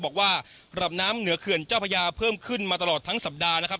บอกว่าระดับน้ำเหนือเขื่อนเจ้าพระยาเพิ่มขึ้นมาตลอดทั้งสัปดาห์นะครับ